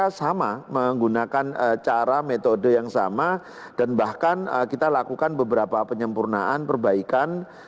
kita sama menggunakan cara metode yang sama dan bahkan kita lakukan beberapa penyempurnaan perbaikan